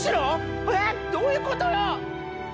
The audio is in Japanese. えっどういうことよ！？